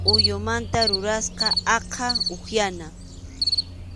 Kʼullumanta rurasqa aqha upyana.